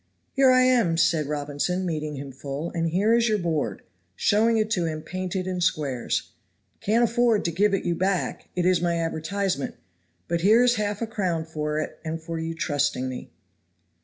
"Here I am," said Robinson, meeting him full, "and here is your board;" showing it to him painted in squares. "Can't afford to give it you back it is my advertisement. But here is half a crown for it and for your trusting me."